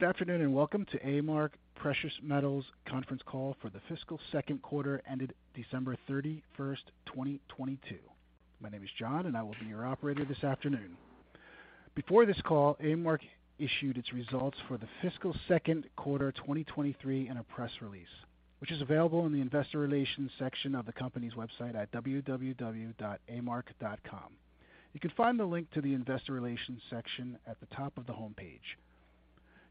Good afternoon, welcome to A-Mark Precious Metals conference call for the fiscal second quarter ended December 31st, 2022. My name is John, and I will be your operator this afternoon. Before this call, A-Mark issued its results for the fiscal second quarter 2023 in a press release, which is available in the investor relations section of the company's website at www.amark.com. You can find the link to the investor relations section at the top of the homepage.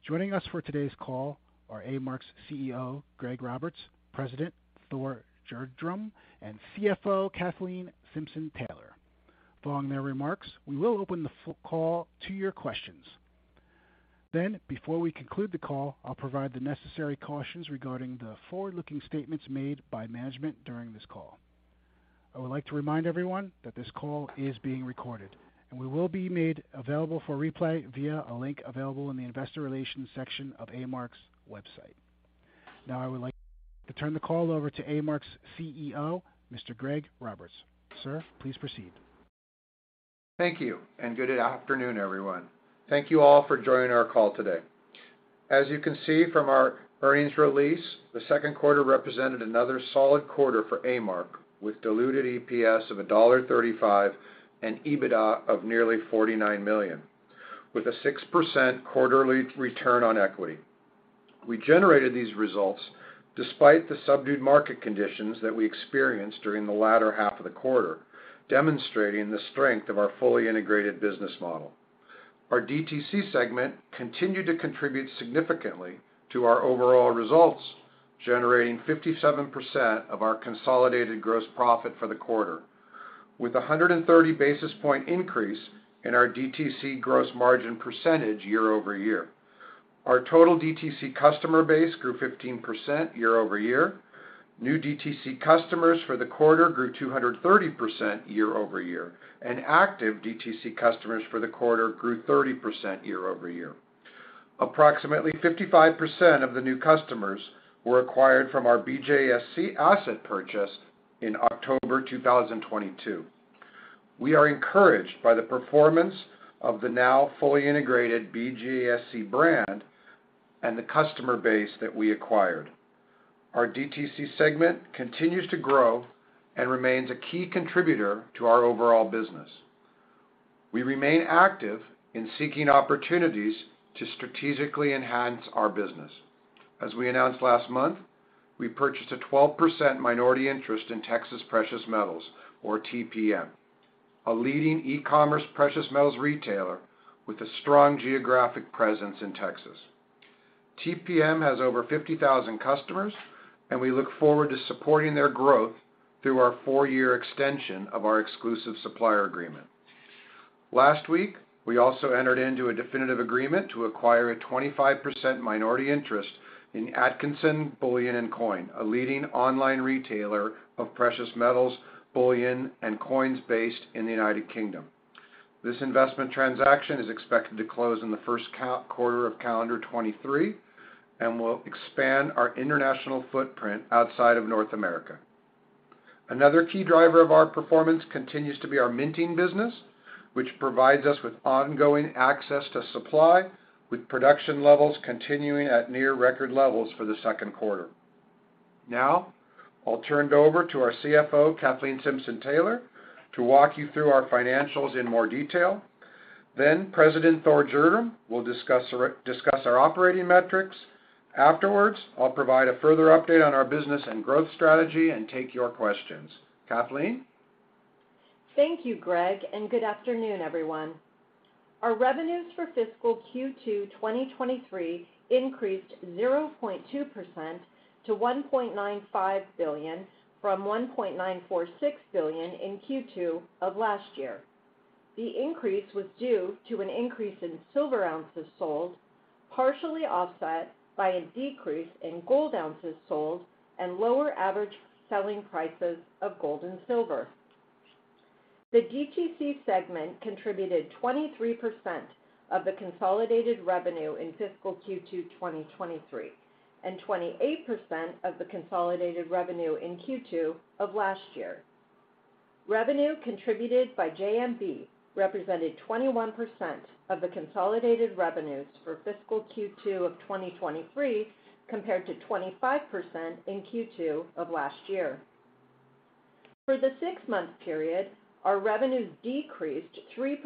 Joining us for today's call are A-Mark's CEO, Greg Roberts, President Thor Gjerdrum, and CFO Kathleen Simpson-Taylor. Following their remarks, we will open the call to your questions. Before we conclude the call, I'll provide the necessary cautions regarding the forward-looking statements made by management during this call. I would like to remind everyone that this call is being recorded and will be made available for replay via a link available in the investor relations section of A-Mark's website. I would like to turn the call over to A-Mark's CEO, Mr. Greg Roberts. Sir, please proceed. Thank you. Good afternoon, everyone. Thank you all for joining our call today. As you can see from our earnings release, the second quarter represented another solid quarter for A-Mark, with diluted EPS of $1.35 and EBITDA of nearly $49 million, with a 6% quarterly return on equity. We generated these results despite the subdued market conditions that we experienced during the latter half of the quarter, demonstrating the strength of our fully integrated business model. Our DTC segment continued to contribute significantly to our overall results, generating 57% of our consolidated gross profit for the quarter with a 130 basis point increase in our DTC gross margin percentage year-over-year. Our total DTC customer base grew 15% year-over-year. New DTC customers for the quarter grew 230% year-over-year, and active DTC customers for the quarter grew 30% year-over-year. Approximately 55% of the new customers were acquired from our BGASC asset purchase in October 2022. We are encouraged by the performance of the now fully integrated BGASC brand and the customer base that we acquired. Our DTC segment continues to grow and remains a key contributor to our overall business. We remain active in seeking opportunities to strategically enhance our business. As we announced last month, we purchased a 12% minority interest in Texas Precious Metals or TPM, a leading e-commerce precious metals retailer with a strong geographic presence in Texas. TPM has over 50,000 customers, and we look forward to supporting their growth through our four-year extension of our exclusive supplier agreement. Last week, we also entered into a definitive agreement to acquire a 25% minority interest in Atkinsons Bullion & Coins, a leading online retailer of precious metals, bullion, and coins based in the United Kingdom. This investment transaction is expected to close in the first quarter of calendar 2023 and will expand our international footprint outside of North America. Another key driver of our performance continues to be our minting business, which provides us with ongoing access to supply, with production levels continuing at near record levels for the second quarter. I'll turn it over to our CFO, Kathleen Simpson-Taylor, to walk you through our financials in more detail. President Thor Gjerdrum will discuss our operating metrics. Afterwards, I'll provide a further update on our business and growth strategy and take your questions. Kathleen? Thank you, Greg, and good afternoon, everyone. Our revenues for fiscal Q2 2023 increased 0.2% to $1.95 billion from $1.946 billion in Q2 of last year. The increase was due to an increase in silver ounces sold, partially offset by a decrease in gold ounces sold and lower average selling prices of gold and silver. The DTC segment contributed 23% of the consolidated revenue in fiscal Q2 2023 and 28% of the consolidated revenue in Q2 of last year. Revenue contributed by JMB represented 21% of the consolidated revenues for fiscal Q2 of 2023, compared to 25% in Q2 of last year. For the six-month period, our revenues decreased 3%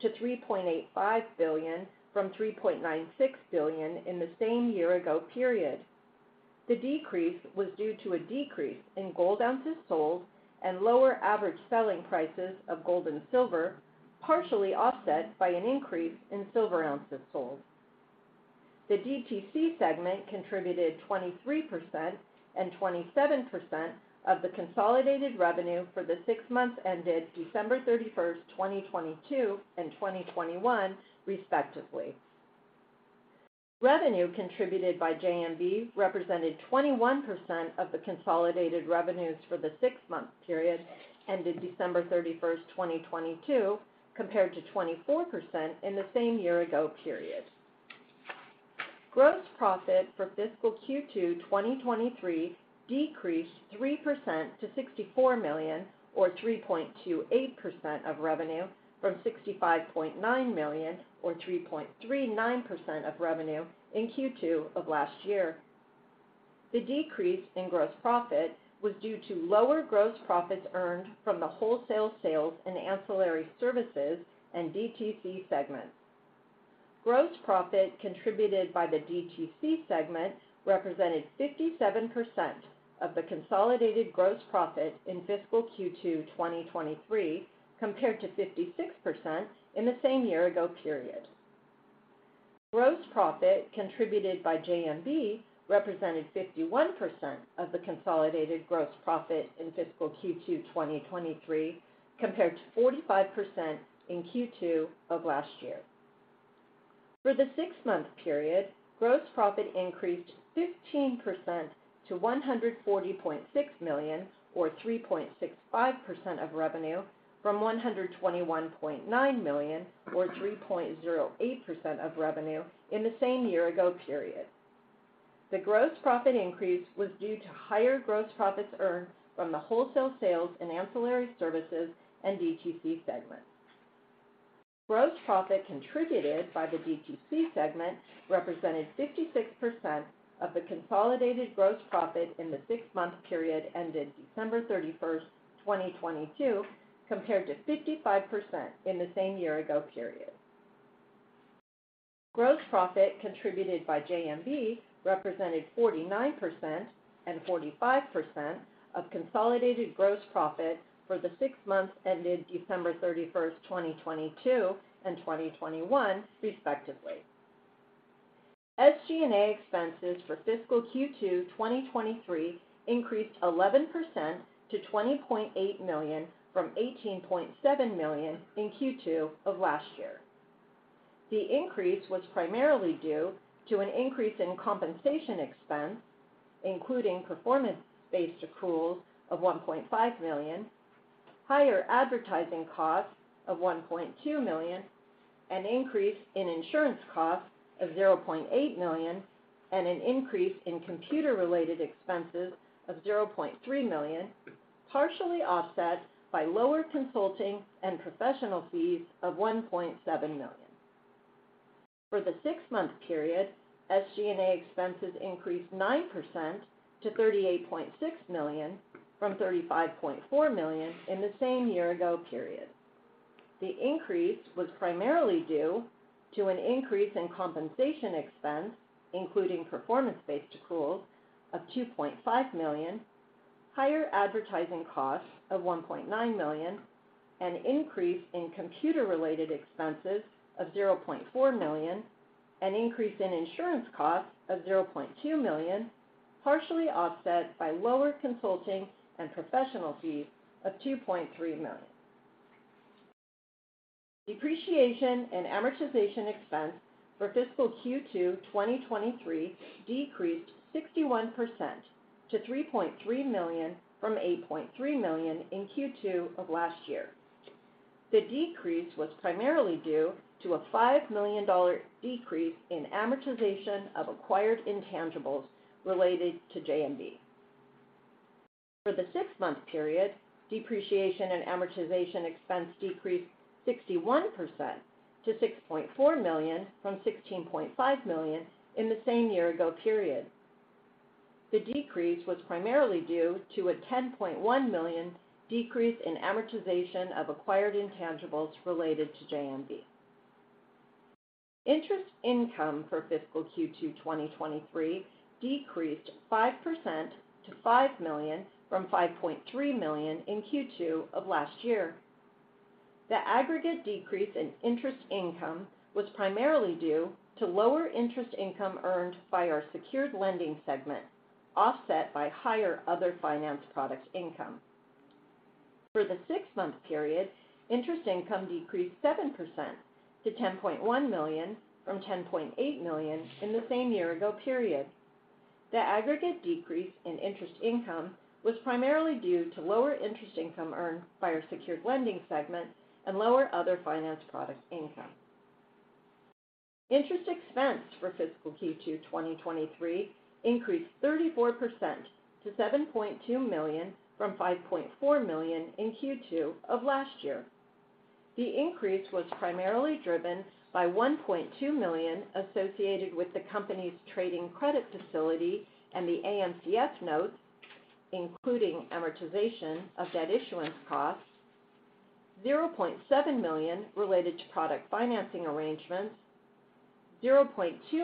to $3.85 billion from $3.96 billion in the same year-ago period. The decrease was due to a decrease in gold ounces sold and lower average selling prices of gold and silver, partially offset by an increase in silver ounces sold. The DTC segment contributed 23% and 27% of the consolidated revenue for the six months ended December 31st, 2022 and 2021, respectively. Revenue contributed by JMB represented 21% of the consolidated revenues for the six-month period ended December 31st, 2022, compared to 24% in the same year-ago period. Gross profit for fiscal Q2 2023 decreased 3% to $64 million, or 3.28% of revenue, from $65.9 million or 3.39% of revenue in Q2 of last year. The decrease in gross profit was due to lower gross profits earned from the wholesale sales and ancillary services and DTC segments. Gross profit contributed by the DTC segment represented 57% of the consolidated gross profit in fiscal Q2 2023, compared to 56% in the same year-ago period. Gross profit contributed by JMB represented 51% of the consolidated gross profit in fiscal Q2 2023, compared to 45% in Q2 of last year. For the six-month period, gross profit increased 15% to $140.6 million or 3.65% of revenue from $121.9 million or 3.08% of revenue in the same year-ago period. The gross profit increase was due to higher gross profits earned from the wholesale sales and ancillary services and DTC segments. Gross profit contributed by the DTC segment represented 56% of the consolidated gross profit in the six-month period ended December 31st, 2022, compared to 55% in the same year-ago period. Gross profit contributed by JMB represented 49% and 45% of consolidated gross profit for the six months ended December 31st, 2022 and 2021 respectively. SG&A expenses for fiscal Q2 2023 increased 11% to $20.8 million from $18.7 million in Q2 of last year. The increase was primarily due to an increase in compensation expense, including performance-based accruals of $1.5 million, higher advertising costs of $1.2 million, an increase in insurance costs of $0.8 million, and an increase in computer-related expenses of $0.3 million, partially offset by lower consulting and professional fees of $1.7 million. For the six-month period, SG&A expenses increased 9% to $38.6 million from $35.4 million in the same year ago period. The increase was primarily due to an increase in compensation expense, including performance-based accruals of $2.5 million, higher advertising costs of $1.9 million, an increase in computer-related expenses of $0.4 million, an increase in insurance costs of $0.2 million, partially offset by lower consulting and professional fees of $2.3 million. Depreciation and amortization expense for fiscal Q2 2023 decreased 61% to $3.3 million from $8.3 million in Q2 of last year. The decrease was primarily due to a $5 million decrease in amortization of acquired intangibles related to JMB. For the six-month period, depreciation and amortization expense decreased 61% to $6.4 million from $16.5 million in the same year-ago period. The decrease was primarily due to a $10.1 million decrease in amortization of acquired intangibles related to JMB. Interest income for fiscal Q2 2023 decreased 5% to $5 million from $5.3 million in Q2 of last year. The aggregate decrease in interest income was primarily due to lower interest income earned by our secured lending segment, offset by higher other finance product income. For the six-month period, interest income decreased 7% to $10.1 million from $10.8 million in the same year ago period. The aggregate decrease in interest income was primarily due to lower interest income earned by our secured lending segment and lower other finance product income. Interest expense for fiscal Q2 2023 increased 34% to $7.2 million from $5.4 million in Q2 of last year. The increase was primarily driven by $1.2 million associated with the company's trading credit facility and the AMCF notes, including amortization of debt issuance costs, $0.7 million related to product financing arrangements, $0.2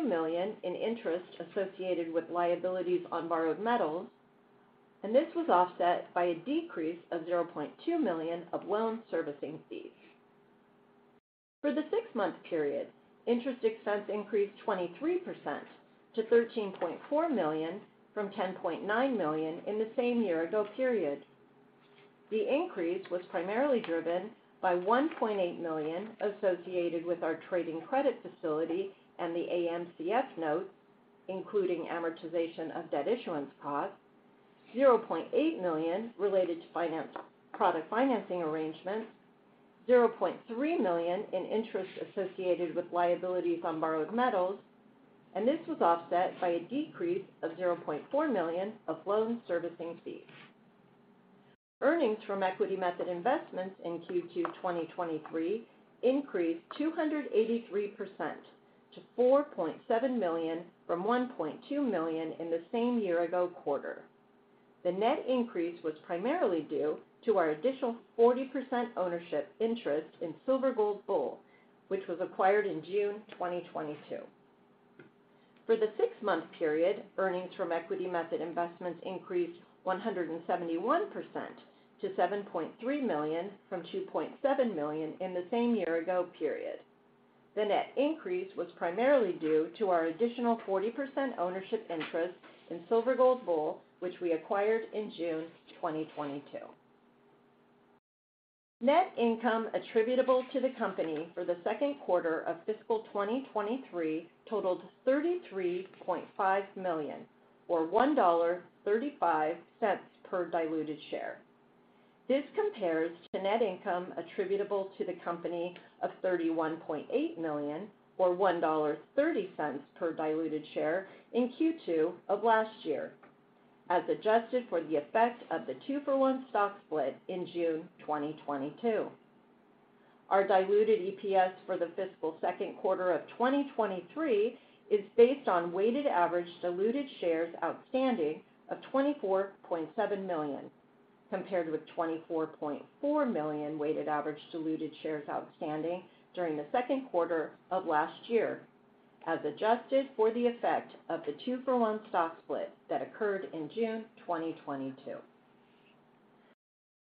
million in interest associated with liabilities on borrowed metals, and this was offset by a decrease of $0.2 million of loan servicing fees. For the six-month period, interest expense increased 23% to $13.4 million from $10.9 million in the same year-ago period. The increase was primarily driven by $1.8 million associated with our trading credit facility and the AMCF notes, including amortization of debt issuance costs, $0.8 million related to product financing arrangements, $0.3 million in interest associated with liabilities on borrowed metals. This was offset by a decrease of $0.4 million of loan servicing fees. Earnings from equity method investments in Q2 2023 increased 283% to $4.7 million from $1.2 million in the same year ago quarter. The net increase was primarily due to our additional 40% ownership interest in Silver Gold Bull, which was acquired in June 2022. For the six-month period, earnings from equity method investments increased 171% to $7.3 million from $2.7 million in the same year ago period. The net increase was primarily due to our additional 40% ownership interest in Silver Gold Bull, which we acquired in June 2022. Net income attributable to the company for the second quarter of fiscal 2023 totaled $33.5 million or $1.35 per diluted share. This compares to net income attributable to the company of $31.8 million or $1.30 per diluted share in Q2 of last year, as adjusted for the effect of the 2-for-1 stock split in June 2022. Our diluted EPS for the fiscal second quarter of 2023 is based on weighted average diluted shares outstanding of 24.7 million, compared with 24.4 million weighted average diluted shares outstanding during the second quarter of last year, as adjusted for the effect of the 2-for-1 stock split that occurred in June 2022.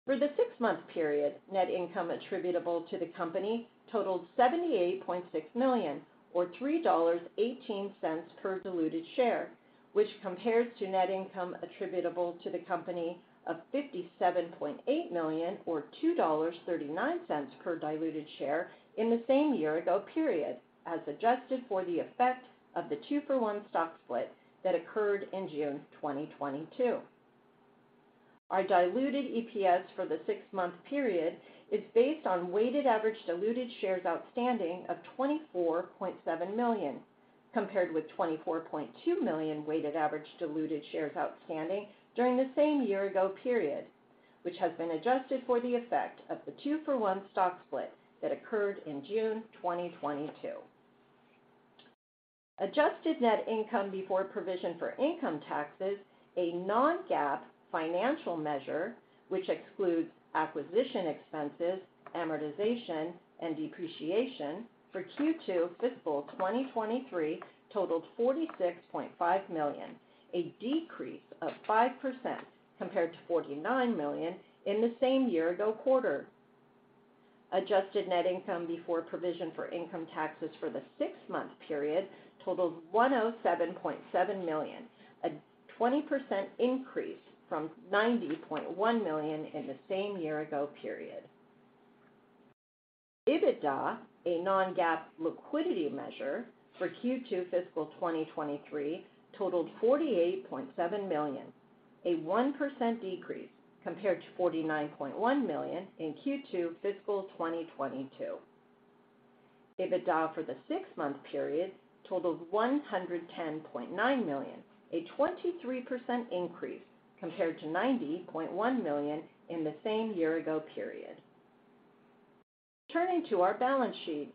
For the six-month period, net income attributable to the company totaled $78.6 million or $3.18 per diluted share, which compares to net income attributable to the company of $57.8 million or $2.39 per diluted share in the same year-ago period, as adjusted for the effect of the two-for-one stock split that occurred in June 2022. Our diluted EPS for the six-month period is based on weighted average diluted shares outstanding of 24.7 million, compared with 24.2 million weighted average diluted shares outstanding during the same year-ago period, which has been adjusted for the effect of the two-for-one stock split that occurred in June 2022. Adjusted net income before provision for income taxes, a non-GAAP financial measure which excludes acquisition expenses, amortization, and depreciation for Q2 fiscal 2023 totaled $46.5 million, a decrease of 5% compared to $49 million in the same year ago quarter. Adjusted net income before provision for income taxes for the six-month period totaled $107.7 million, a 20% increase from $90.1 million in the same year ago period. EBITDA, a non-GAAP liquidity measure for Q2 fiscal 2023 totaled $48.7 million, a 1% decrease compared to $49.1 million in Q2 fiscal 2022. EBITDA for the six-month period totaled $110.9 million, a 23% increase compared to $90.1 million in the same year ago period. Turning to our balance sheet.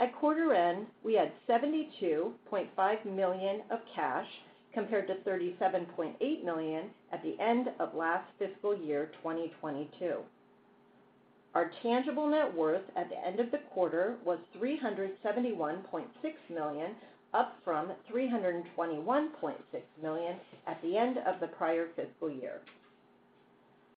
At quarter end, we had $72.5 million of cash compared to $37.8 million at the end of last fiscal year 2022. Our tangible net worth at the end of the quarter was $371.6 million, up from $321.6 million at the end of the prior fiscal year.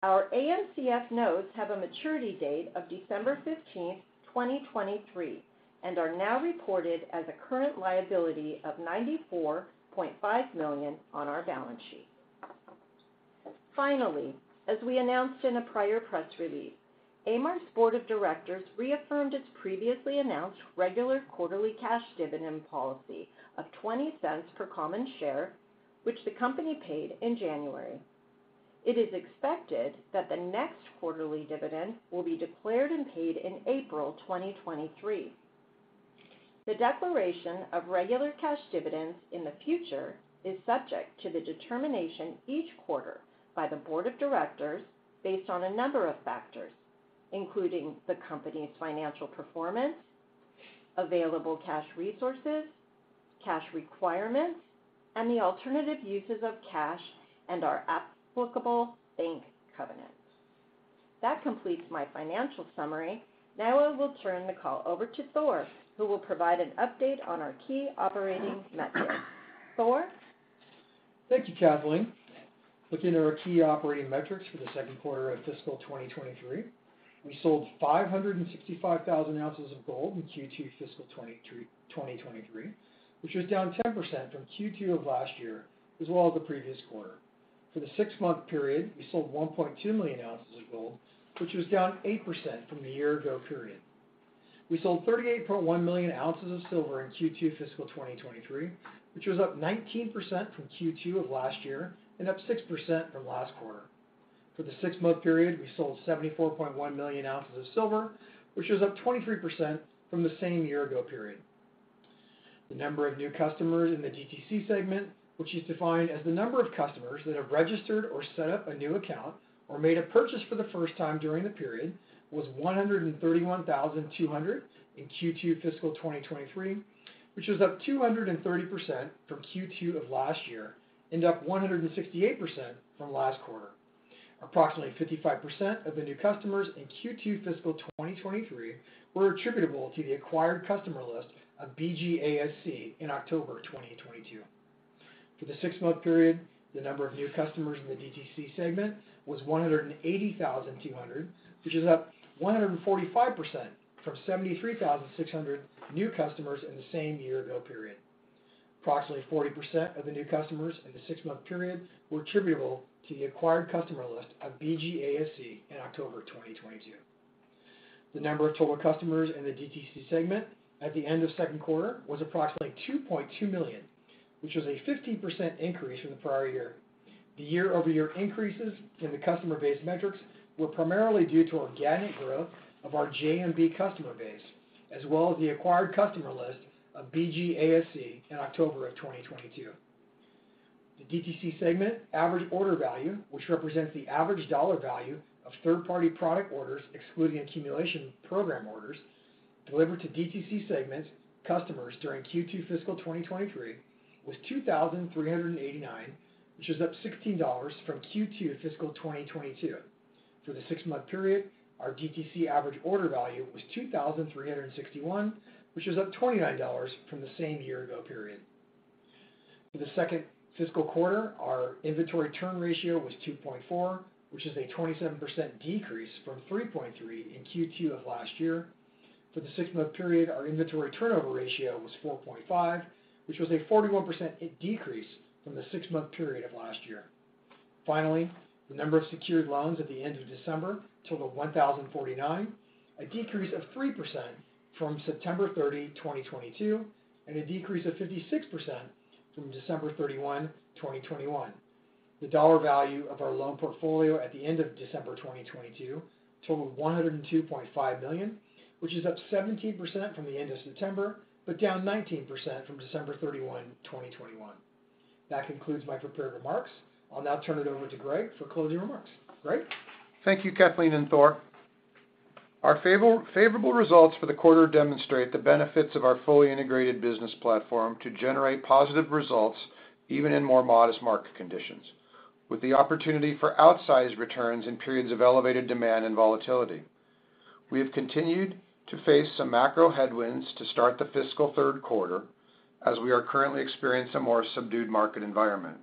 Our AMCF notes have a maturity date of December 15th, 2023, and are now reported as a current liability of $94.5 million on our balance sheet. Finally, as we announced in a prior press release, A-Mark's board of directors reaffirmed its previously announced regular quarterly cash dividend policy of $0.20 per common share, which the company paid in January. It is expected that the next quarterly dividend will be declared and paid in April 2023. The declaration of regular cash dividends in the future is subject to the determination each quarter by the board of directors based on a number of factors, including the company's financial performance, available cash resources, cash requirements, and the alternative uses of cash and our applicable bank covenants. That completes my financial summary. I will turn the call over to Thor, who will provide an update on our key operating metrics. Thor? Thank you, Kathleen. Looking at our key operating metrics for the second quarter of fiscal 2023, we sold 565,000 oz of gold in Q2 fiscal 2023, which was down 10% from Q2 of last year as well as the previous quarter. For the six-month period, we sold 1.2 million ozs of gold, which was down 8% from the year-ago period. We sold 38.1 million oz of silver in Q2 fiscal 2023, which was up 19% from Q2 of last year and up 6% from last quarter. For the six-month period, we sold 74.1 million oz of silver, which was up 23% from the same year-ago period. The number of new customers in the DTC segment, which is defined as the number of customers that have registered or set up a new account or made a purchase for the first time during the period, was 131,200 in Q2 fiscal 2023, which was up 230% from Q2 of last year and up 168% from last quarter. Approximately 55% of the new customers in Q2 fiscal 2023 were attributable to the acquired customer list of BGASC in October 2022. For the six-month period, the number of new customers in the DTC segment was 180,200, which is up 145% from 73,600 new customers in the same year-ago period. Approximately 40% of the new customers in the six-month period were attributable to the acquired customer list of BGASC in October 2022. The number of total customers in the DTC segment at the end of second quarter was approximately 2.2 million, which was a 15% increase from the prior year. The year-over-year increases in the customer base metrics were primarily due to organic growth of our JMB customer base, as well as the acquired customer list of BGASC in October of 2022. The DTC segment average order value, which represents the average dollar value of third-party product orders excluding accumulation program orders delivered to DTC segments customers during Q2 fiscal 2023 was $2,389, which is up $16 from Q2 fiscal 2022. For the six-month period, our DTC average order value was $2,361, which is up $29 from the same year ago period. For the second fiscal quarter, our inventory turn ratio was 2.4, which is a 27% decrease from 3.3 in Q2 of last year. For the six-month period, our inventory turnover ratio was 4.5, which was a 41% decrease from the six-month period of last year. The number of secured loans at the end of December totaled 1,049, a decrease of 3% from September 30th, 2022, and a decrease of 56% from December 31, 2021. The dollar value of our loan portfolio at the end of December 2022 totaled $102.5 million, which is up 17% from the end of September, down 19% from December 31, 2021. That concludes my prepared remarks. I'll now turn it over to Greg for closing remarks. Greg? Thank you, Kathleen and Thor. Our favorable results for the quarter demonstrate the benefits of our fully integrated business platform to generate positive results even in more modest market conditions, with the opportunity for outsized returns in periods of elevated demand and volatility. We have continued to face some macro headwinds to start the fiscal third quarter as we are currently experiencing a more subdued market environment.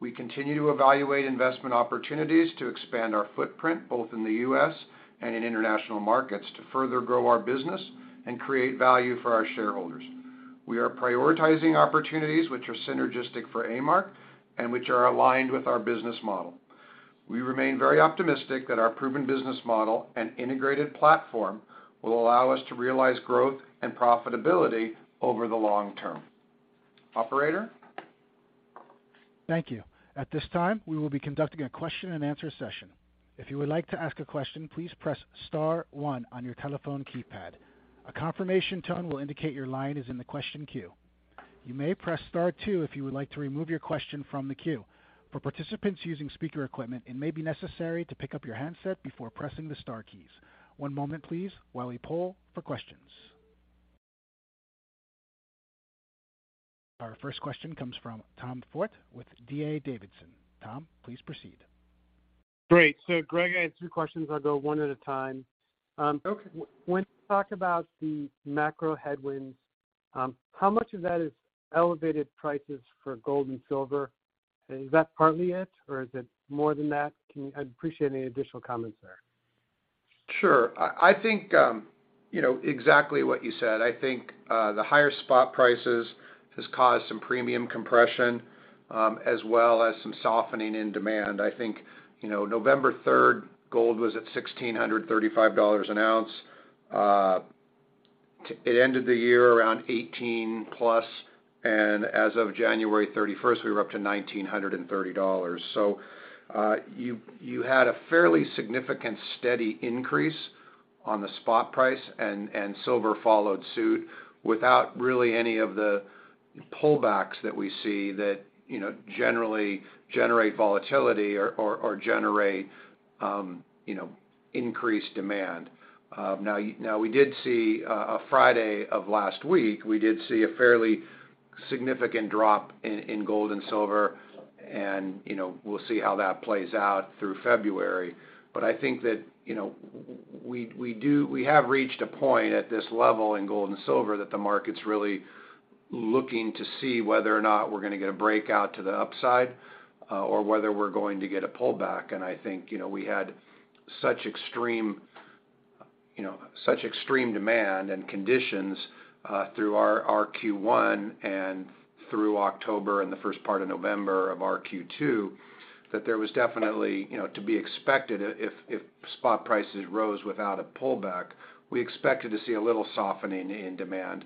We continue to evaluate investment opportunities to expand our footprint both in the U.S. and in international markets to further grow our business and create value for our shareholders. We are prioritizing opportunities which are synergistic for A-Mark and which are aligned with our business model. We remain very optimistic that our proven business model and integrated platform will allow us to realize growth and profitability over the long term. Operator? Thank you. At this time, we will be conducting a question-and-answer session. If you would like to ask a question, please press star one on your telephone keypad. A confirmation tone will indicate your line is in the question queue. You may press star two if you would like to remove your question from the queue. For participants using speaker equipment, it may be necessary to pick up your handset before pressing the star keys. One moment please while we poll for questions. Our first question comes from Tom Forte with D.A. Davidson. Tom, please proceed. Great. Greg, I have two questions. I'll go one at a time. Okay. When you talk about the macro headwinds, how much of that is elevated prices for gold and silver? Is that partly it, or is it more than that? I'd appreciate any additional comments there. Sure. I think, you know, exactly what you said. I think the higher spot prices has caused some premium compression, as well as some softening in demand. I think, you know, November 3rd, gold was at $1,635 an oz. It ended the year around $1,800+, and as of January 31st, we were up to $1,930. You had a fairly significant steady increase on the spot price and silver followed suit without really any of the pullbacks that we see that, you know, generally generate volatility or generate, you know, increased demand. Now we did see on Friday of last week, we did see a fairly significant drop in gold and silver and, you know, we'll see how that plays out through February. I think that, you know, we have reached a point at this level in gold and silver that the market's really looking to see whether or not we're gonna get a breakout to the upside, or whether we're going to get a pullback. I think, you know, we had such extreme demand and conditions, through our Q1 and through October and the first part of November of our Q2, that there was definitely, you know, to be expected if spot prices rose without a pullback. We expected to see a little softening in demand.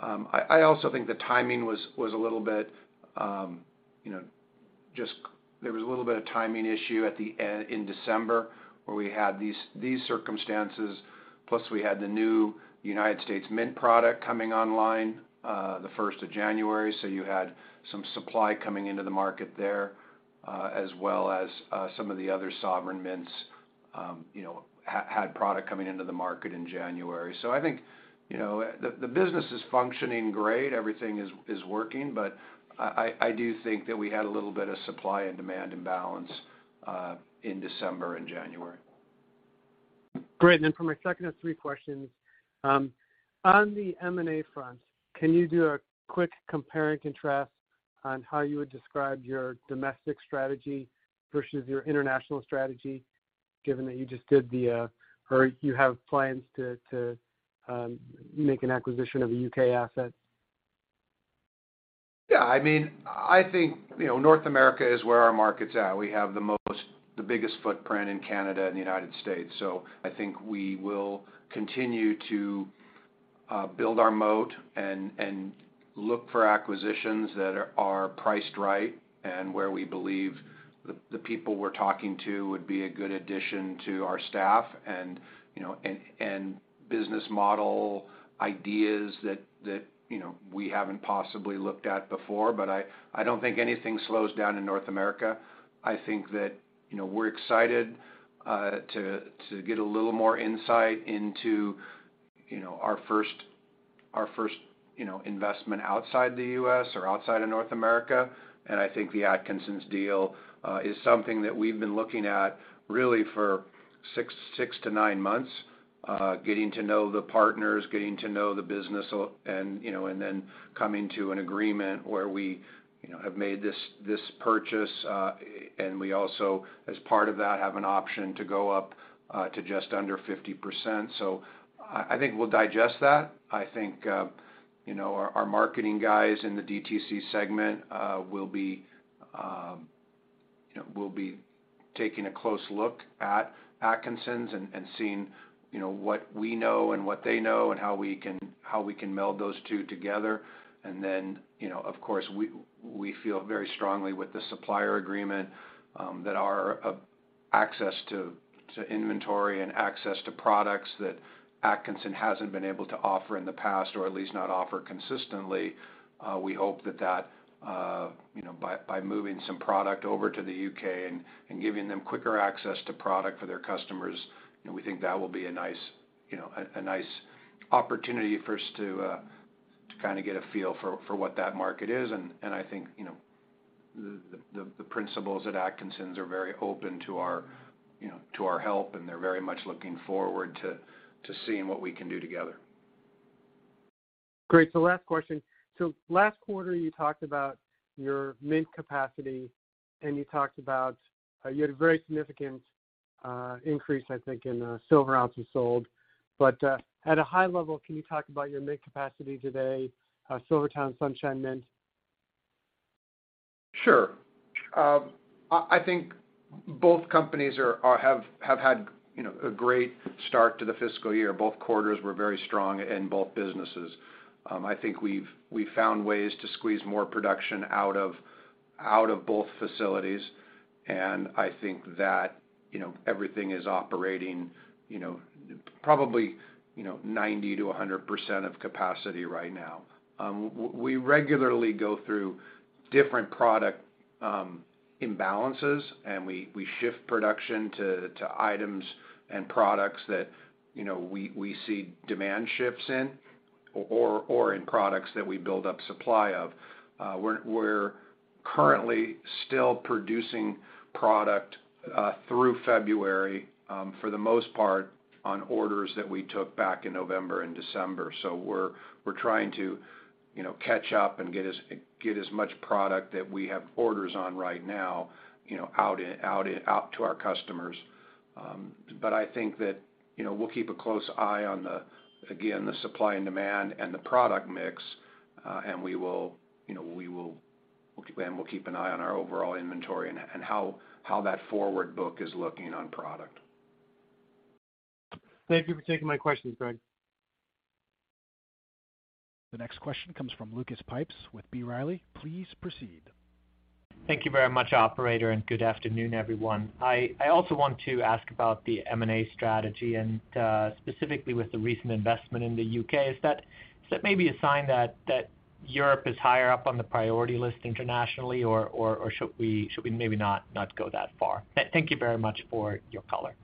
I also think the timing was a little bit, you know, just there was a little bit of timing issue in December where we had these circumstances, plus we had the new United States Mint product coming online, the first of January. You had some supply coming into the market there, as well as, some of the other sovereign mints, you know, had product coming into the market in January. I think, you know, the business is functioning great. Everything is working, but I do think that we had a little bit of supply and demand imbalance, in December and January. Great. For my second of three questions, on the M&A front, can you do a quick compare and contrast on how you would describe your domestic strategy versus your international strategy, given that you just did the, or you have plans to make an acquisition of a U.K. asset? Yeah, I mean, I think, you know, North America is where our market's at. We have the biggest footprint in Canada and the United States. I think we will continue to build our moat and look for acquisitions that are priced right and where we believe the people we're talking to would be a good addition to our staff and you know, and business model ideas that, you know, we haven't possibly looked at before. I don't think anything slows down in North America. I think that, you know, we're excited to get a little more insight into, you know, our first, you know, investment outside the U.S. or outside of North America. I think the Atkinsons deal, is something that we've been looking at really for six to nine months, getting to know the partners, getting to know the business, and you know, and then coming to an agreement where we, you know, have made this purchase. And we also as part of that, have an option to go up, to just under 50%. I think we'll digest that. I think, you know, our marketing guys in the DTC segment, will be, you know, will be taking a close look at Atkinsons and seeing, you know, what we know and what they know and how we can meld those two together. Then, you know, of course, we feel very strongly with the supplier agreement, that our access to inventory and access to products that Atkinson hasn't been able to offer in the past or at least not offer consistently, we hope that, you know, by moving some product over to the U.K. and giving them quicker access to product for their customers, you know, we think that will be a nice, you know, a nice opportunity for us to kind of get a feel for what that market is. I think, you know, the principles at Atkinson are very open to our help, and they're very much looking forward to seeing what we can do together. Great. Last question. Last quarter, you talked about your mint capacity, and you talked about, you had a very significant increase, I think, in silver ounces sold. At a high level, can you talk about your mint capacity today, SilverTowne, Sunshine Mint? Sure. I think both companies have had, you know, a great start to the fiscal year. Both quarters were very strong in both businesses. I think we've found ways to squeeze more production out of both facilities, and I think that, you know, everything is operating, you know, probably, you know, 90%-100% of capacity right now. We regularly go through different product imbalances, and we shift production to items and products that, you know, we see demand shifts in or in products that we build up supply of. We're currently still producing product through February, for the most part, on orders that we took back in November and December. We're trying to, you know, catch up and get as much product that we have orders on right now, you know, out to our customers. I think that, you know, we'll keep a close eye on the, again, the supply and demand and the product mix, and we'll keep an eye on our overall inventory and how that forward book is looking on product. Thank you for taking my questions, Greg. The next question comes from Lucas Pipes with B. Riley. Please proceed. Thank you very much, operator. Good afternoon, everyone. I also want to ask about the M&A strategy and specifically with the recent investment in the U.K. Is that maybe a sign that Europe is higher up on the priority list internationally, or should we maybe not go that far? Thank you very much for your color.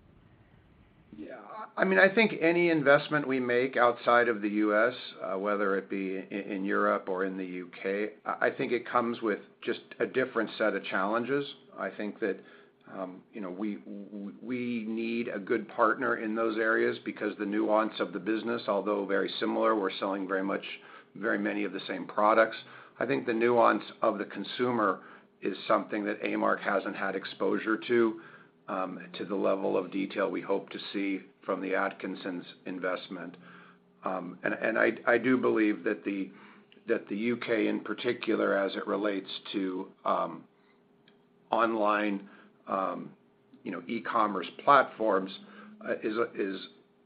I mean, I think any investment we make outside of the U.S., whether it be in Europe or in the U.K., I think it comes with just a different set of challenges. I think that, you know, we need a good partner in those areas because the nuance of the business, although very similar, we're selling very many of the same products. I think the nuance of the consumer is something that A-Mark hasn't had exposure to the level of detail we hope to see from the Atkinsons' investment. I do believe that the UK in particular, as it relates to online, you know, e-commerce platforms, is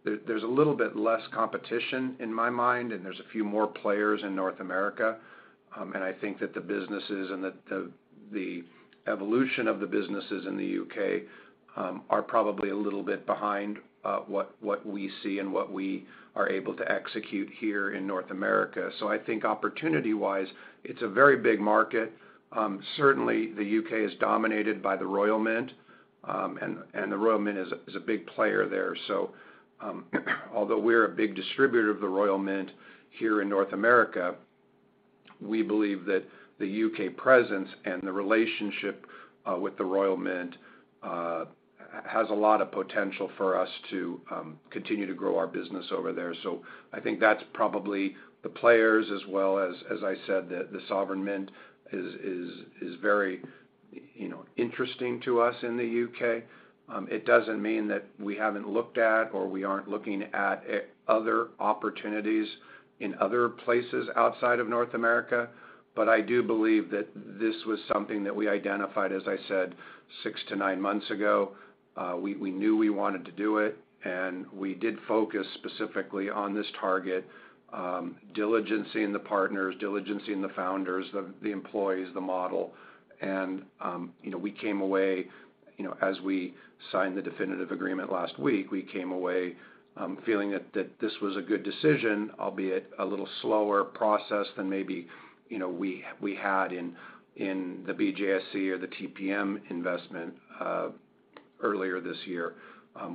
there's a little bit less competition in my mind, and there's a few more players in North America. I think that the businesses and the evolution of the businesses in the U.K. are probably a little bit behind what we see and what we are able to execute here in North America. I think opportunity-wise, it's a very big market. Certainly, the U.K. is dominated by The Royal Mint. The Royal Mint is a big player there. Although we're a big distributor of The Royal Mint here in North America, we believe that the U.K. presence and the relationship with The Royal Mint has a lot of potential for us to continue to grow our business over there. I think that's probably the players as well as I said, the Sovereign Mint is very, you know, interesting to us in the U.K. It doesn't mean that we haven't looked at or we aren't looking at other opportunities in other places outside of North America. I do believe that this was something that we identified, as I said, six-nine months ago. We knew we wanted to do it, and we did focus specifically on this target, diligencing the partners, diligencing the founders, the employees, the model. You know, we came away, you know, as we signed the definitive agreement last week, we came away feeling that this was a good decision, albeit a little slower process than maybe, you know, we had in the BGASC or the TPM investment earlier this year.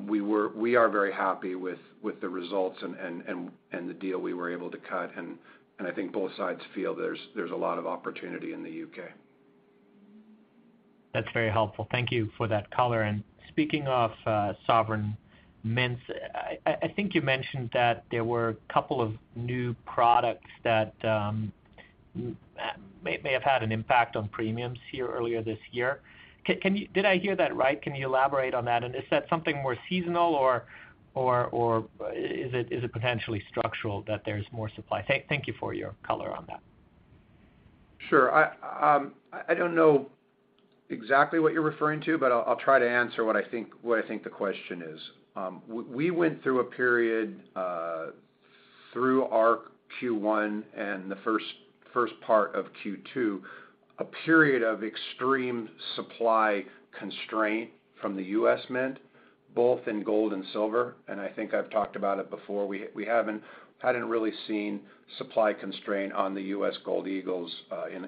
We are very happy with the results and the deal we were able to cut, and I think both sides feel there's a lot of opportunity in the U.K. That's very helpful. Thank you for that color. Speaking of sovereign mints, I think you mentioned that there were a couple of new products that may have had an impact on premiums here earlier this year. Did I hear that right? Can you elaborate on that? Is that something more seasonal or is it potentially structural that there's more supply? Thank you for your color on that. Sure. I don't know exactly what you're referring to, but I'll try to answer what I think the question is. We went through a period through our Q1 and the first part of Q2, a period of extreme supply constraint from the United States Mint, both in gold and silver. I think I've talked about it before. Hadn't really seen supply constraint on the U.S. Gold Eagles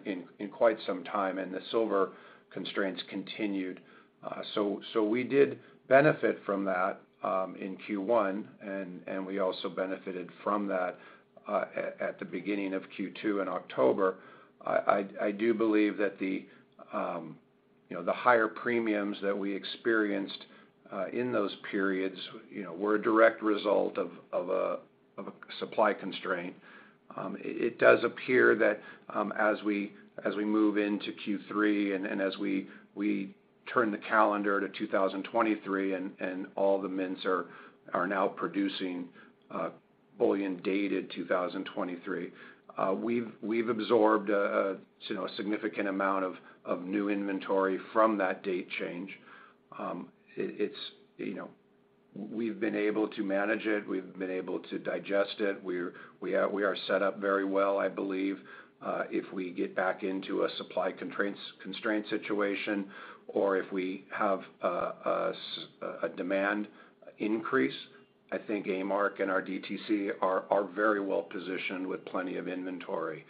in quite some time, the silver constraints continued. So we did benefit from that in Q1, and we also benefited from that at the beginning of Q2 in October. I do believe that the, you know, the higher premiums that we experienced in those periods, you know, were a direct result of a supply constraint. It does appear that as we move into Q3 and as we turn the calendar to 2023 and all the mints are now producing bullion dated 2023, we've absorbed, you know, a significant amount of new inventory from that date change. It's, you know... We've been able to manage it. We've been able to digest it. We are set up very well, I believe. If we get back into a supply constraint situation or if we have a demand increase, I think A-Mark and our DTC are very well positioned with plenty of inventory.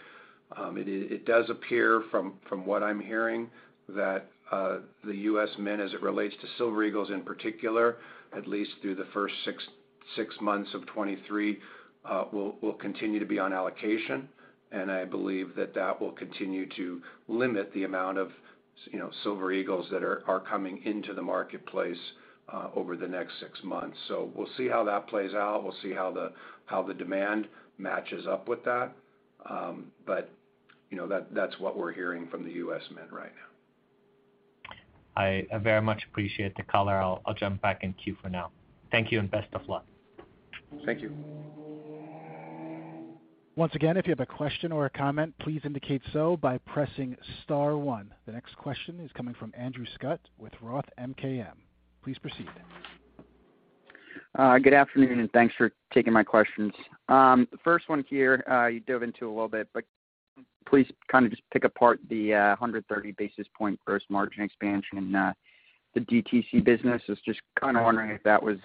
It does appear from what I'm hearing that the U.S. Mint, as it relates to Silver Eagles in particular, at least through the first six months of 2023, will continue to be on allocation. I believe that that will continue to limit the amount of you know, Silver Eagles that are coming into the marketplace over the next six months. We'll see how that plays out. We'll see how the demand matches up with that. But, you know, that's what we're hearing from the U.S. Mint right now. I very much appreciate the color. I'll jump back in queue for now. Thank you, and best of luck. Thank you. Once again, if you have a question or a comment, please indicate so by pressing star one. The next question is coming from Andrew Scutt with ROTH MKM. Please proceed. Good afternoon, thanks for taking my questions. The first one here, you dove into a little bit, but please kind of just pick apart the, 130 basis point gross margin expansion in the DTC business. I was just kind of wondering if that was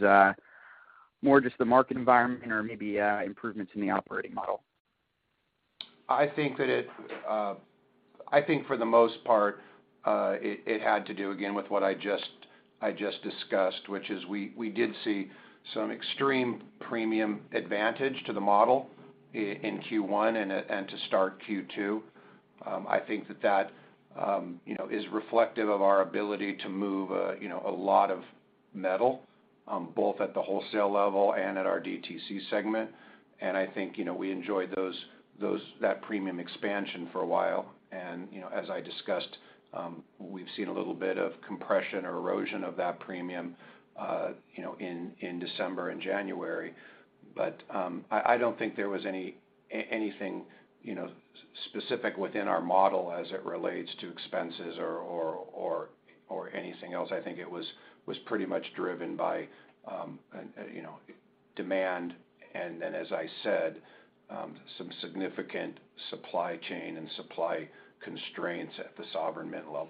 more just the market environment or maybe improvements in the operating model. I think that it, I think for the most part, it had to do again with what I just discussed, which is we did see some extreme premium advantage to the model in Q1 and to start Q2. I think that that, you know, is reflective of our ability to move, you know, a lot of metal, both at the wholesale level and at our DTC segment. I think, you know, we enjoyed those, that premium expansion for a while. You know, as I discussed, we've seen a little bit of compression or erosion of that premium, you know, in December and January. I don't think there was anything, you know, specific within our model as it relates to expenses or anything else. I think it was pretty much driven by, you know, demand, and then as I said, some significant supply chain and supply constraints at the sovereign mint level.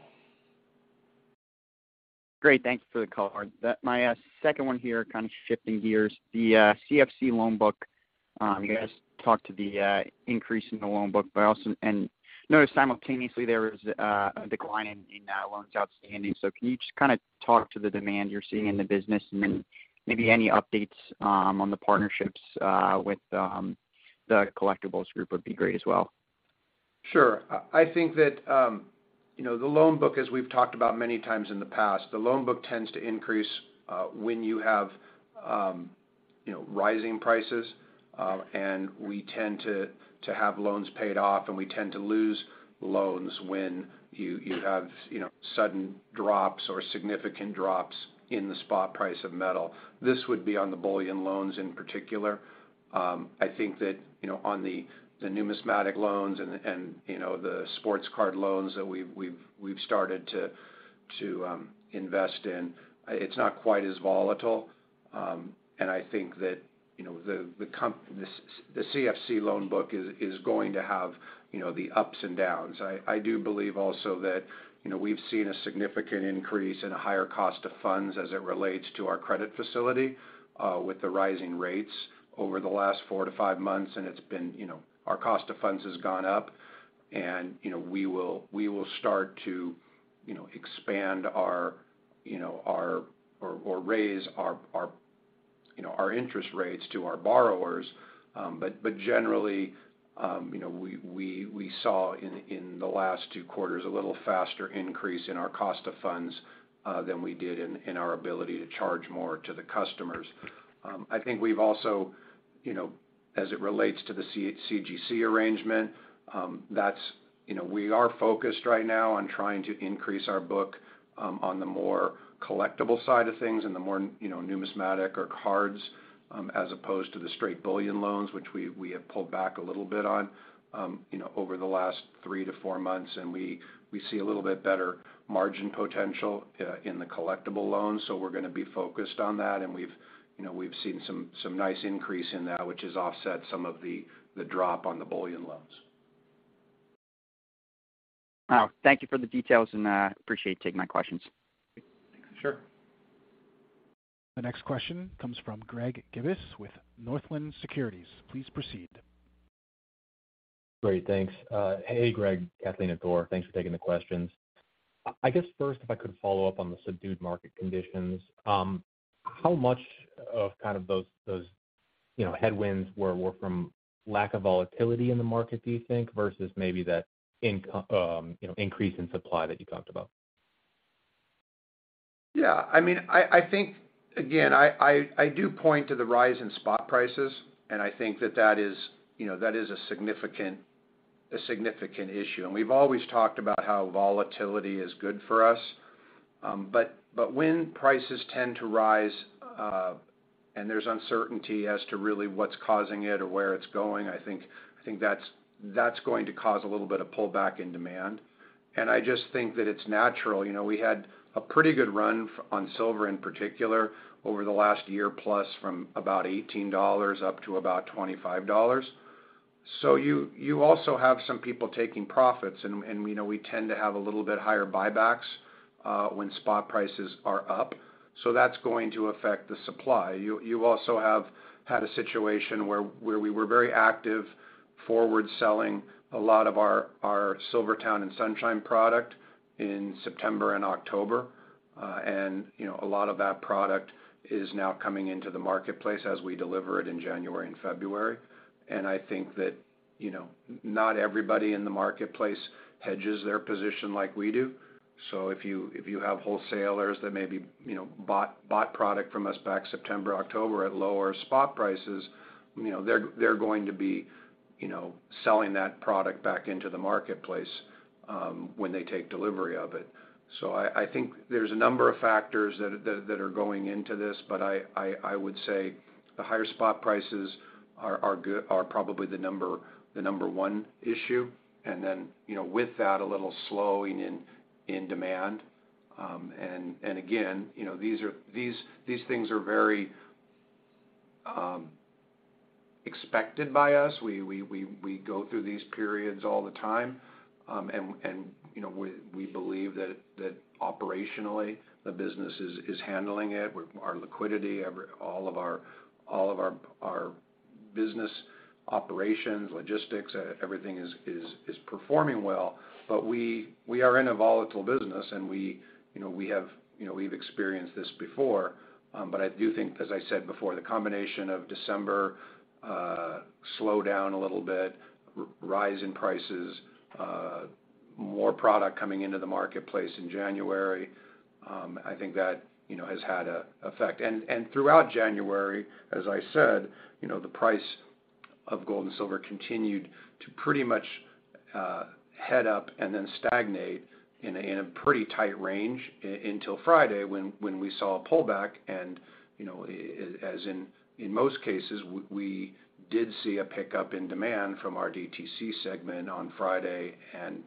Great. Thanks for the color. My second one here, kind of shifting gears, the CFC loan book, you guys talked to the increase in the loan book, noticed simultaneously there was a decline in loans outstanding. Can you just kind of talk to the demand you're seeing in the business and then maybe any updates on the partnerships with the collectibles group would be great as well. Sure. I think that, you know, the loan book, as we've talked about many times in the past, the loan book tends to increase when you have, you know, rising prices, and we tend to have loans paid off, and we tend to lose loans when you have, you know, sudden drops or significant drops in the spot price of metal. This would be on the bullion loans in particular. I think that, you know, on the numismatic loans and, you know, the sports card loans that we've started to invest in, it's not quite as volatile. And I think that, you know, the CFC loan book is going to have, you know, the ups and downs. I do believe also that, you know, we've seen a significant increase in a higher cost of funds as it relates to our credit facility, with the rising rates over the last four to five months. It's been, you know, our cost of funds has gone up and, you know, we will start to, you know, expand our, you know, or raise our, you know, our interest rates to our borrowers. Generally, you know, we saw in the last two quarters a little faster increase in our cost of funds than we did in our ability to charge more to the customers. I think we've also, you know, as it relates to the CCG arrangement, that's, you know, we are focused right now on trying to increase our book, on the more collectible side of things and the more, you know, numismatic or cards, as opposed to the straight bullion loans, which we have pulled back a little bit on, you know, over the last three-four months, and we see a little bit better margin potential in the collectible loans. We're gonna be focused on that, and we've, you know, we've seen some nice increase in that which has offset some of the drop on the bullion loans. Wow. Thank you for the details and appreciate you taking my questions. Sure. The next question comes from Greg Gibas with Northland Securities. Please proceed. Great. Thanks. Hey, Greg, Kathleen and Thor. Thanks for taking the questions. I guess first, if I could follow up on the subdued market conditions, how much of kind of those, you know, headwinds were from lack of volatility in the market, do you think, versus maybe the, you know, increase in supply that you talked about? Yeah, I mean, I think, again, I do point to the rise in spot prices, and I think that that is, you know, that is a significant issue. When prices tend to rise, and there's uncertainty as to really what's causing it or where it's going, I think that's going to cause a little bit of pullback in demand. I just think that it's natural. You know, we had a pretty good run on silver in particular over the last year plus from about $18 up to about $25. You also have some people taking profits and, you know, we tend to have a little bit higher buybacks when spot prices are up. That's going to affect the supply. You also have had a situation where we were very active forward selling a lot of our SilverTowne and Sunshine product in September and October. You know, a lot of that product is now coming into the marketplace as we deliver it in January and February. I think that, you know, not everybody in the marketplace hedges their position like we do. If you have wholesalers that maybe, you know, bought product from us back September, October at lower spot prices, you know, they're going to be, you know, selling that product back into the marketplace when they take delivery of it. I think there's a number of factors that are going into this, but I would say the higher spot prices are probably the number one issue. Then, you know, with that, a little slowing in demand. Again, you know, these things are very expected by us. We go through these periods all the time. And, you know, we believe that operationally the business is handling it. Our liquidity, all of our business operations, logistics, everything is performing well. We are in a volatile business and we, you know, we've experienced this before. But I do think, as I said before, the combination of December, slow down a little bit, rise in prices, more product coming into the marketplace in January, I think that, you know, has had a effect. Throughout January, as I said, you know, the price of gold and silver continued to pretty much head up and then stagnate in a, in a pretty tight range until Friday when we saw a pullback. You know, as in most cases, we did see a pickup in demand from our DTC segment on Friday and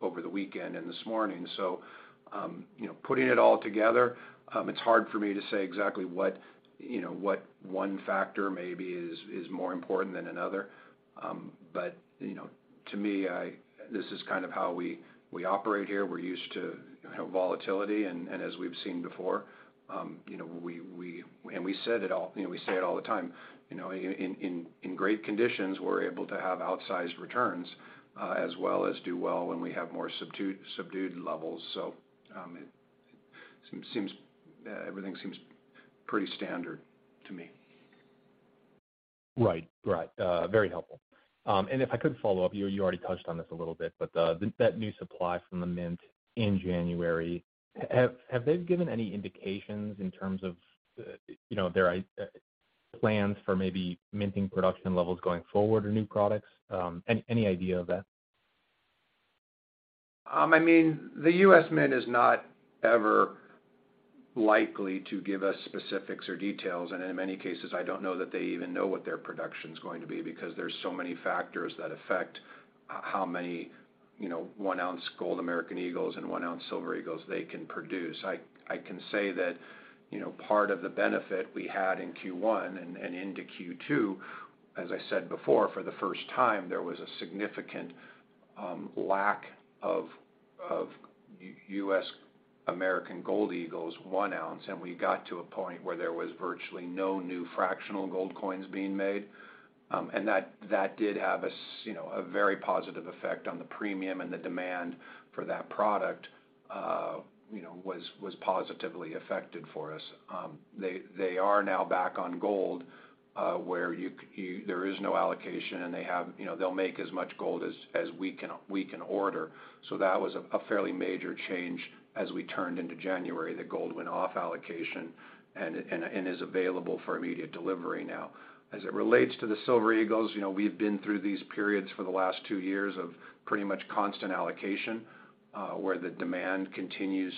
over the weekend and this morning. You know, putting it all together, it's hard for me to say exactly what, you know, what one factor maybe is more important than another. You know, to me, this is kind of how we operate here. We're used to, you know, volatility. As we've seen before, you know, And we said it all. You know, we say it all the time, you know, in great conditions, we're able to have outsized returns, as well as do well when we have more subdued levels. Everything seems pretty standard to me. Right. Right. Very helpful. If I could follow up, you already touched on this a little bit, but that new supply from the Mint in January, have they given any indications in terms of, you know, their plans for maybe minting production levels going forward or new products? Any idea of that? I mean, the U.S. Mint is not ever likely to give us specifics or details. In many cases, I don't know that they even know what their production's going to be because there's so many factors that affect how many, you know, 1 oz Gold American Eagles and 1 oz Silver Eagles they can produce. I can say that, you know, part of the benefit we had in Q1 and into Q2, as I said before, for the first time, there was a significant lack of U.S. American Gold Eagles, 1 oz, and we got to a point where there was virtually no new fractional gold coins being made. And that did have a, you know, a very positive effect on the premium and the demand for that product, you know, was positively affected for us. They are now back on gold, where you there is no allocation and they have, you know, they'll make as much gold as we can order. That was a fairly major change as we turned into January, that gold went off allocation and is available for immediate delivery now. As it relates to the Silver Eagles, you know, we've been through these periods for the last two years of pretty much constant allocation, where the demand continues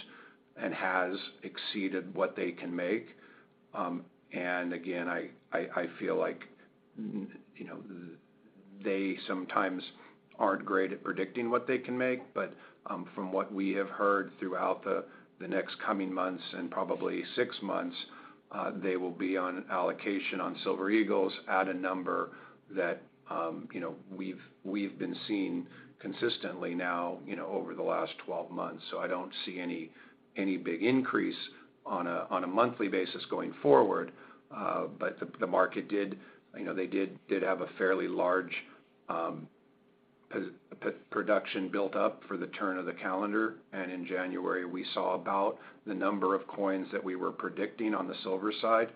and has exceeded what they can make. And again, I feel like, you know, they sometimes aren't great at predicting what they can make. From what we have heard throughout the next coming months and probably six months, they will be on allocation on Silver Eagles at a number that, you know, we've been seeing consistently now, you know, over the last 12 months. I don't see any big increase on a monthly basis going forward. The market did, you know, they did have a fairly large production built up for the turn of the calendar. In January, we saw about the number of coins that we were predicting on the silver side.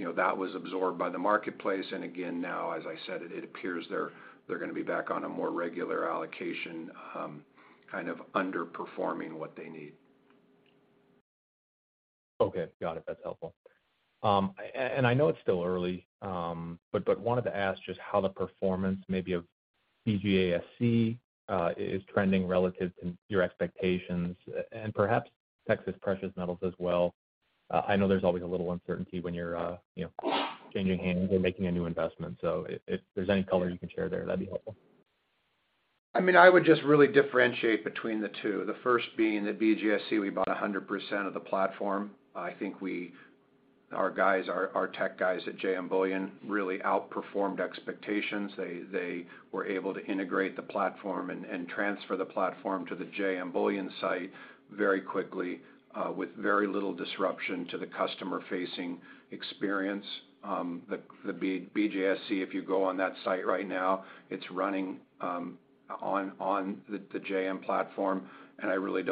You know, that was absorbed by the marketplace. Again, now, as I said, it appears they're gonna be back on a more regular allocation, kind of underperforming what they need. Got it. That's helpful. I know it's still early, but wanted to ask just how the performance maybe of BGASC is trending relative to your expectations and perhaps Texas Precious Metals as well. I know there's always a little uncertainty when you're, you know, changing hands or making a new investment. If there's any color you can share there, that'd be helpful. I mean, I would just really differentiate between the two. The first being the BGASC, we bought 100% of the platform. I think our guys, our tech guys at JM Bullion really outperformed expectations. They were able to integrate the platform and transfer the platform to the JM Bullion site very quickly, with very little disruption to the customer-facing experience. The BGASC, if you go on that site right now, it's running on the JM platform. I really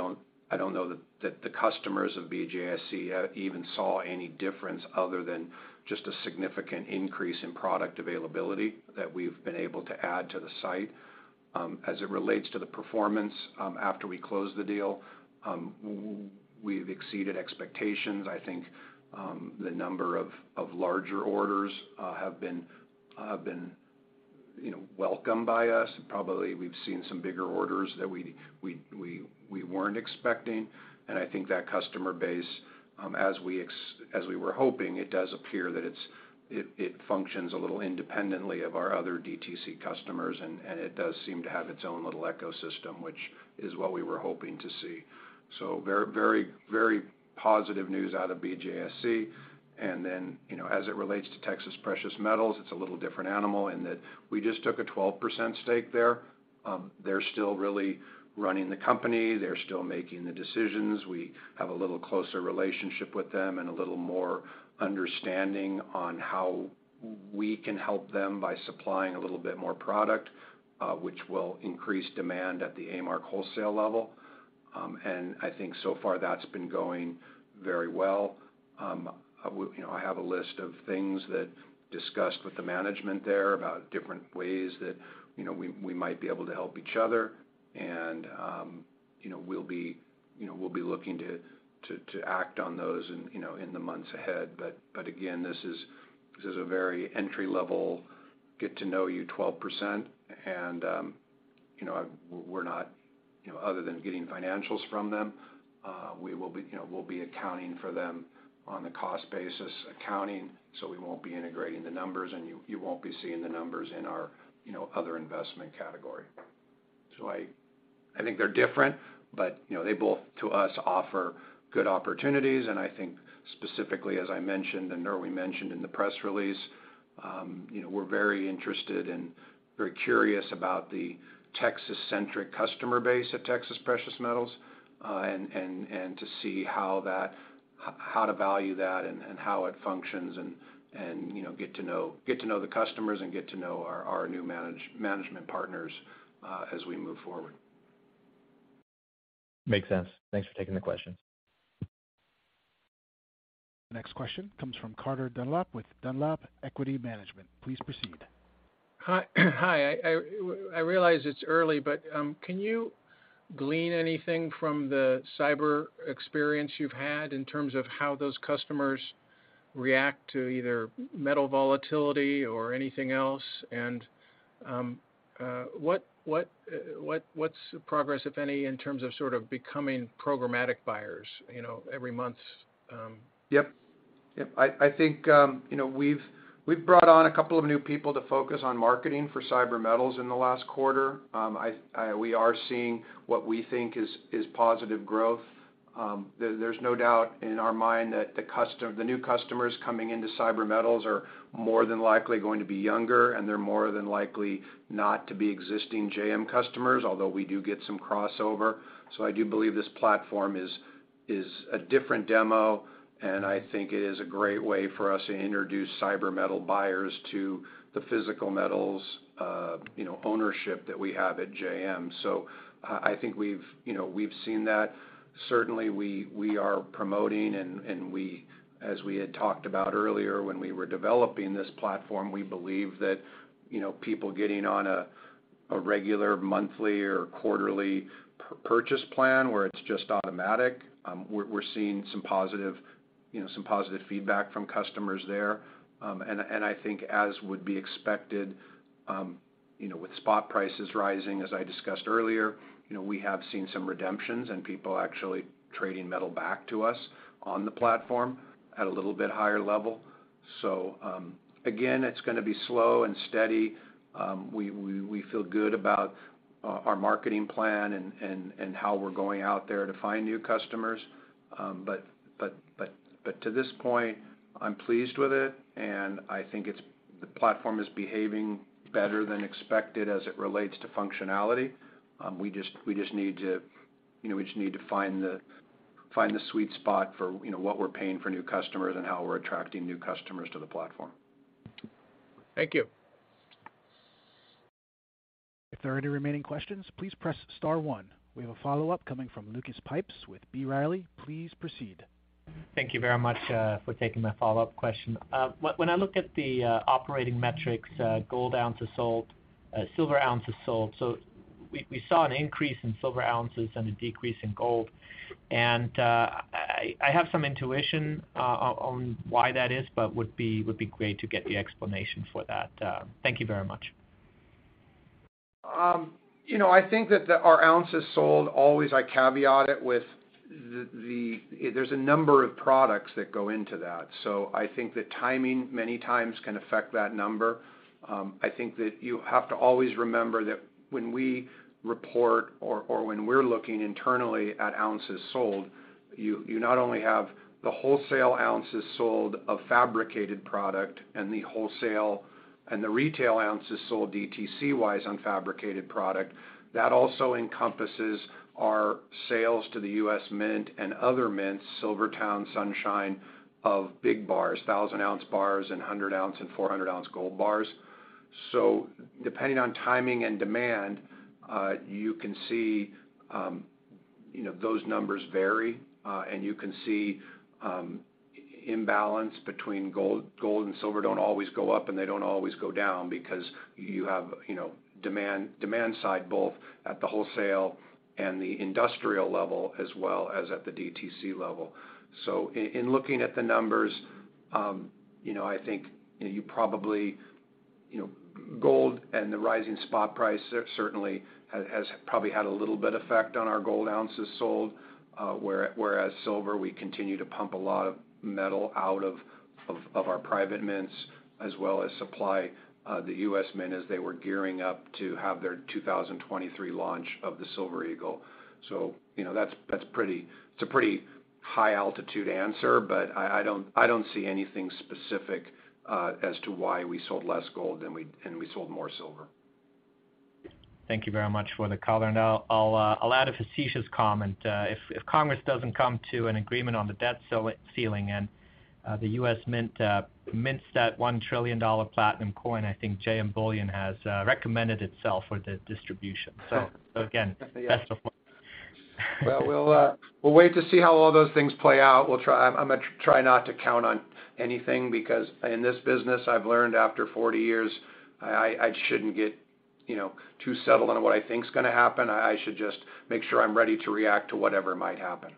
don't know that the customers of BGASC even saw any difference other than just a significant increase in product availability that we've been able to add to the site. As it relates to the performance, after we close the deal, we've exceeded expectations. I think, the number of larger orders have been, you know, welcomed by us. Probably we've seen some bigger orders that we weren't expecting. I think that customer base, as we were hoping, it does appear that it functions a little independently of our other DTC customers, and it does seem to have its own little ecosystem, which is what we were hoping to see. Very, very positive news out of BGASC. You know, as it relates to Texas Precious Metals, it's a little different animal in that we just took a 12% stake there. They're still really running the company. They're still making the decisions. We have a little closer relationship with them and a little more understanding on how we can help them by supplying a little bit more product, which will increase demand at the A-Mark wholesale level. You know, I have a list of things that discussed with the management there about different ways that, you know, we might be able to help each other. You know, we'll be, you know, we'll be looking to act on those in, you know, in the months ahead. Again, this is a very entry-level get to know you 12%. You know, we're not, you know, other than getting financials from them, we will be, you know, we'll be accounting for them on the cost basis accounting, so we won't be integrating the numbers, and you won't be seeing the numbers in our, you know, other investment category. I think they're different, but, you know, they both, to us, offer good opportunities. I think specifically, as I mentioned and Thor mentioned in the press release, you know, we're very interested and very curious about the Texas-centric customer base at Texas Precious Metals, and to see how to value that and how it functions and, you know, get to know the customers and get to know our new management partners, as we move forward. Makes sense. Thanks for taking the question. Next question comes from Carter Dunlap with Dunlap Equity Management. Please proceed. Hi. I realize it's early, but can you glean anything from the CyberMetals experience you've had in terms of how those customers react to either metal volatility or anything else? What's the progress, if any, in terms of sort of becoming programmatic buyers, you know, every month's? Yep. I think, you know, we've brought on a couple of new people to focus on marketing for CyberMetals in the last quarter. We are seeing what we think is positive growth. There's no doubt in our mind that the new customers coming into CyberMetals are more than likely going to be younger, and they're more than likely not to be existing JMB customers, although we do get some crossover. I do believe this platform is a different demo, and I think it is a great way for us to introduce CyberMetals buyers to the physical metals, you know, ownership that we have at JMB. I think we've, you know, we've seen that. Certainly, we are promoting and as we had talked about earlier when we were developing this platform, we believe that, you know, people getting on a regular monthly or quarterly purchase plan where it's just automatic, we're seeing some positive, you know, some positive feedback from customers there. I think as would be expected, you know, with spot prices rising, as I discussed earlier, you know, we have seen some redemptions and people actually trading metal back to us on the platform at a little bit higher level. Again, it's gonna be slow and steady. We feel good about our marketing plan and how we're going out there to find new customers. To this point, I'm pleased with it, and I think it's the platform is behaving better than expected as it relates to functionality. We just need to, you know, we just need to find the sweet spot for, you know, what we're paying for new customers and how we're attracting new customers to the platform. Thank you. If there are any remaining questions, please press star one. We have a follow-up coming from Lucas Pipes with B. Riley. Please proceed. Thank you very much for taking my follow-up question. When I look at the operating metrics, gold ounces sold, silver ounces sold, so we saw an increase in silver ounces and a decrease in gold. I have some intuition on why that is, but would be great to get the explanation for that. Thank you very much. You know, I think that our ounces sold always, I caveat it with. There's a number of products that go into that. I think that timing many times can affect that number. I think that you have to always remember that when we report or when we're looking internally at ounces sold, you not only have the wholesale ounces sold of fabricated product and the wholesale and the retail ounces sold DTC-wise on fabricated product, that also encompasses our sales to the U.S. Mint and other mints, SilverTowne, Sunshine, of big bars, 1,000-oz bars and 100-oz and 400-oz gold bars. Depending on timing and demand, you can see, you know, those numbers vary, and you can see imbalance between gold. Gold and silver don't always go up, and they don't always go down because you have, you know, demand side both at the wholesale and the industrial level, as well as at the DTC level. Looking at the numbers, you know, I think, you know, gold and the rising spot price certainly has probably had a little bit effect on our gold ounces sold, whereas silver, we continue to pump a lot of metal out of our private mints as well as supply the U.S. Mint as they were gearing up to have their 2023 launch of the Silver Eagle. you know, that's a pretty high altitude answer, but I don't, I don't see anything specific as to why we sold less gold than we sold more silver. Thank you very much for the color. Now I'll add a facetious comment. If Congress doesn't come to an agreement on the debt ceiling and the U.S. Mint mints that $1 trillion platinum coin, I think JM Bullion has recommended itself for the distribution. Again, best of luck. Well, we'll wait to see how all those things play out. I'm gonna try not to count on anything because in this business, I've learned after 40 years, I shouldn't get, you know, too settled on what I think is gonna happen. I should just make sure I'm ready to react to whatever might happen.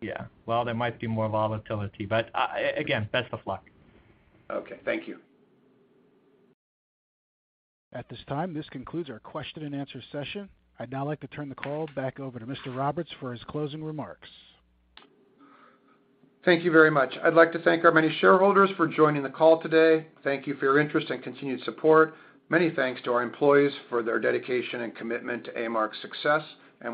Yeah. Well, there might be more volatility. Again, best of luck. Okay, thank you. At this time, this concludes our question and answer session. I'd now like to turn the call back over to Mr. Roberts for his closing remarks. Thank you very much. I'd like to thank our many shareholders for joining the call today. Thank you for your interest and continued support. Many thanks to our employees for their dedication and commitment to A-Mark's success.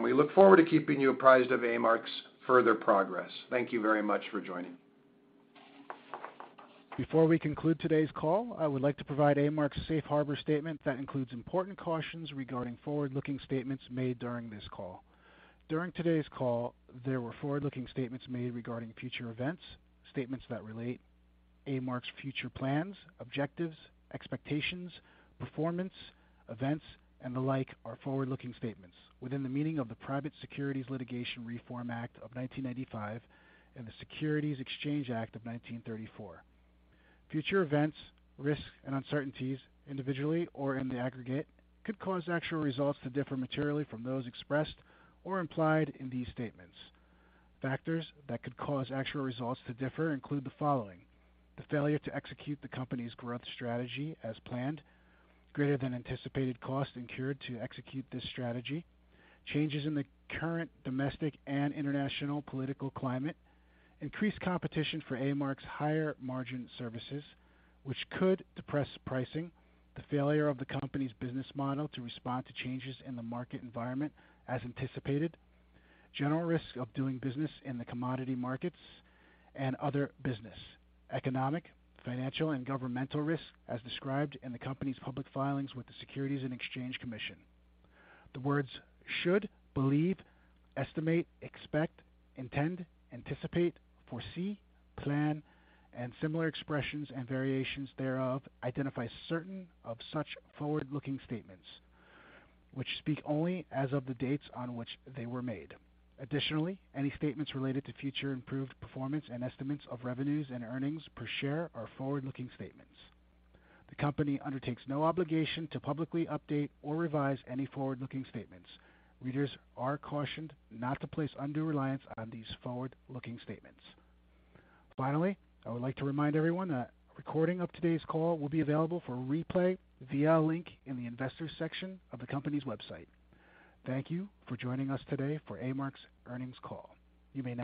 We look forward to keeping you apprised of A-Mark's further progress. Thank you very much for joining. Before we conclude today's call, I would like to provide A-Mark's Safe Harbor statement that includes important cautions regarding forward-looking statements made during this call. During today's call, there were forward-looking statements made regarding future events. Statements that relate A-Mark's future plans, objectives, expectations, performance, events, and the like are forward-looking statements within the meaning of the Private Securities Litigation Reform Act of 1995 and the Securities Exchange Act of 1934. Future events, risks and uncertainties, individually or in the aggregate, could cause actual results to differ materially from those expressed or implied in these statements. Factors that could cause actual results to differ include the following. The failure to execute the company's growth strategy as planned. Greater than anticipated costs incurred to execute this strategy. Changes in the current domestic and international political climate. Increased competition for A-Mark's higher margin services, which could depress pricing. The failure of the company's business model to respond to changes in the market environment as anticipated. General risks of doing business in the commodity markets and other business. Economic, financial, and governmental risks as described in the company's public filings with the Securities and Exchange Commission. The words should, believe, estimate, expect, intend, anticipate, foresee, plan, and similar expressions and variations thereof, identify certain of such forward-looking statements which speak only as of the dates on which they were made. Additionally, any statements related to future improved performance and estimates of revenues and earnings per share are forward-looking statements. The company undertakes no obligation to publicly update or revise any forward-looking statements. Readers are cautioned not to place undue reliance on these forward-looking statements. I would like to remind everyone that recording of today's call will be available for replay via a link in the investors section of the company's website. Thank you for joining us today for A-Mark's earnings call. You may disconnect.